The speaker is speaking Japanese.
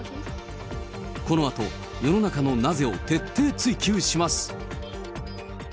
このあと、世の中のなぜを徹底追及します。